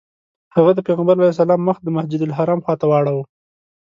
هغه د پیغمبر علیه السلام مخ د مسجدالحرام خواته واړوه.